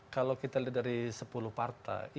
kalau kita lihat dari sepuluh partai